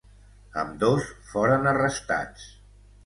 Ambdós foren arrestats.